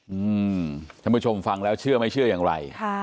อืมท่านผู้ชมฟังแล้วเชื่อไม่เชื่อยังไง